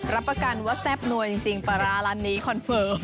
รับประกันว่าแซ่บนัวจริงปลาร้าร้านนี้คอนเฟิร์ม